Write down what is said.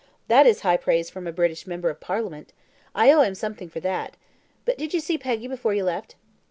"That is high praise from a British member of Parliament. I owe him something for that. But did you see Peggy before you left?"